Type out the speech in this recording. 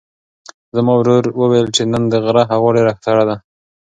زما ورور وویل چې نن د غره هوا ډېره سړه ده.